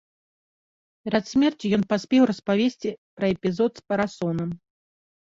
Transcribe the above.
Перад смерцю ён паспеў распавесці пра эпізод з парасонам.